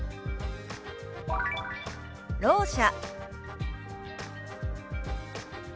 「ろう者」。